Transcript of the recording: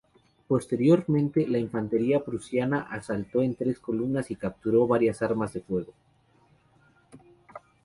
Posteriormente la infantería prusiana asaltó en tres columnas y capturó varias armas de fuego.